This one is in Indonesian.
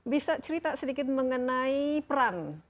bisa cerita sedikit mengenai perang